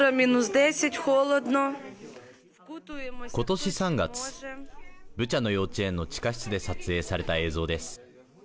今年３月ブチャの幼稚園の地下室で撮影された映像です。